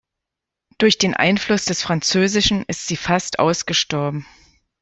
Durch den Einfluss des Französischen ist sie fast ausgestorben.